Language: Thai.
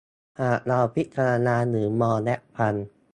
หากเราพิจารณาหรือมองและฟัง